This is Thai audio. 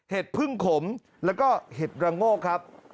พึ่งขมแล้วก็เห็ดระโงกครับ